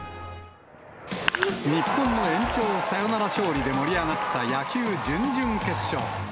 日本の延長サヨナラ勝利で盛り上がった野球準々決勝。